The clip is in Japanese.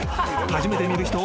［初めて見る人。